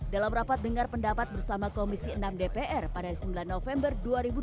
dalam rapat dengar pendapat bersama komisi enam dpr pada sembilan november dua ribu dua puluh